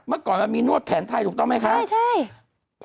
เมื่อก่อนมันมีนวดแผนไทยถูกต้องไหมคะ